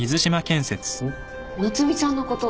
夏海ちゃんのこと。